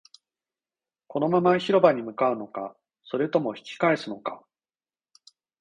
このまま広場に向かうのか、それとも引き返すのか